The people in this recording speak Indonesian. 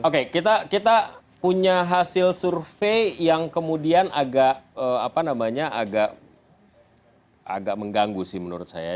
oke kita punya hasil survei yang kemudian agak mengganggu sih menurut saya